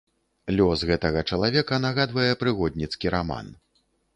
Лёс гэтага чалавека нагадвае прыгодніцкі раман.